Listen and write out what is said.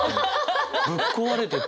ぶっ壊れてて。